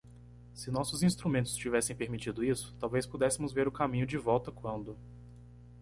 Se nossos instrumentos tivessem permitido isso, talvez pudéssemos ver o caminho de volta quando.